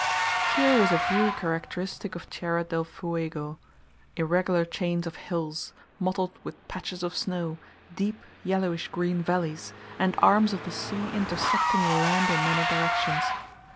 Here was a view characteristic of Tierra del Fuego; irregular chains of hills, mottled with patches of snow, deep yellowish green valleys, and arms of the sea intersecting the land in many directions.